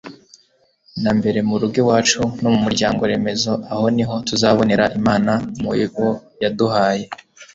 na mbere mu rugo iwacu no mu muryango-remezo. aho niho tuzabonera imana mu bo yaduhaye